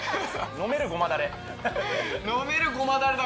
飲めるごまだれだ